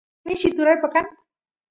mishi turaypa kan